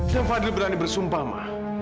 dan fadil berani bersumpah ma